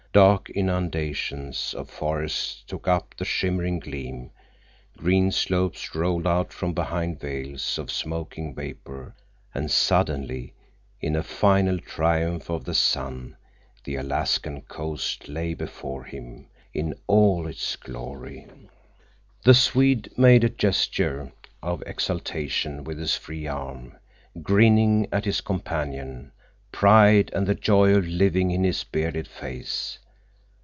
Dark inundations of forest took up the shimmering gleam, green slopes rolled out from behind veils of smoking vapor, and suddenly—in a final triumph of the sun—the Alaskan coast lay before him in all its glory. The Swede made a great gesture of exultation with his free arm, grinning at his companion, pride and the joy of living in his bearded face.